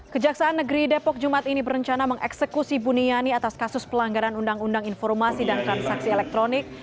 kejaksaan negeri depok jumat ini berencana mengeksekusi buniani atas kasus pelanggaran undang undang informasi dan transaksi elektronik